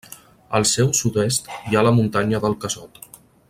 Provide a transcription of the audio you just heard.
Al seu sud-est hi ha la muntanya del Casot.